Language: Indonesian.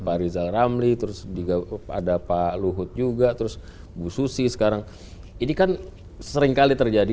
pak rizal ramli terus juga ada pak luhut juga terus bu susi sekarang ini kan seringkali terjadi